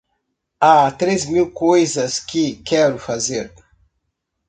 Há três mil coisas que quero fazer.